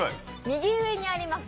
右上にあります